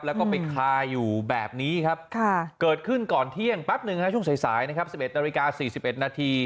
แล้วก็ไปคาอยู่แบบนี้ครับเกิดขึ้นก่อนเที่ยงแป๊บหนึ่งช่วงสายนะครับ๑๑นาฬิกา๔๑นาที